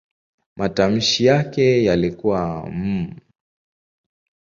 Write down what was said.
Matamshi yake yalikuwa "m".